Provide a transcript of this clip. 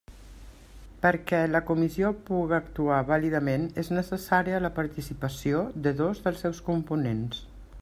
Perquè la comissió puga actuar vàlidament és necessària la participació de dos dels seus components.